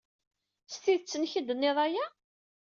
S tidet-nnek ay d-tenniḍ aya?